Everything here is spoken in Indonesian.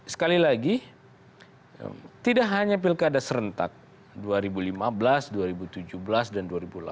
sekali lagi tidak hanya pilkada serentak dua ribu lima belas dua ribu tujuh belas dan dua ribu delapan belas